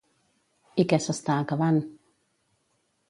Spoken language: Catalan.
I què s'està acabant?